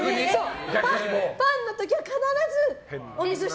パンの時は必ず、おみそ汁。